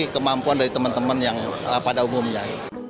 kemampuan dari teman teman yang pada umumnya